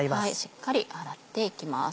しっかり払っていきます。